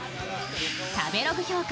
食べログ評価